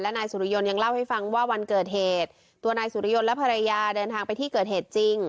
นายสุริยนต์ยังเล่าให้ฟังว่าวันเกิดเหตุตัวนายสุริยนต์และภรรยาเดินทางไปที่เกิดเหตุจริง